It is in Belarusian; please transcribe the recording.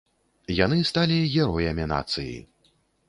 Яны сталі героямі нацыі.